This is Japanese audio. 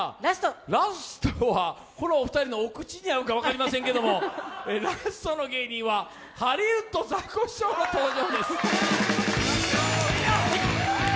ラストはこの２人のお口に合うか分かりませんけれども、ラストの芸人は、ハリウッドザコシショウの登場です。